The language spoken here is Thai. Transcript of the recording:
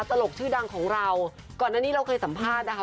ตลกชื่อดังของเราก่อนหน้านี้เราเคยสัมภาษณ์นะคะ